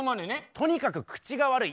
とにかく口が悪い